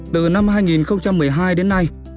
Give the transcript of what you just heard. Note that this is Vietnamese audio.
từ năm hai nghìn một mươi hai đến nay